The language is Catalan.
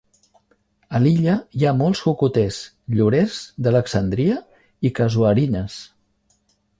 A l'illa hi ha molts cocoters, llorers d'Alexandria i casuarines.